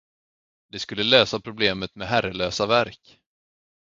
Det skulle lösa problemet med herrelösa verk.